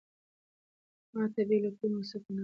ما ته بې له کلمو څخه پناه راکړه.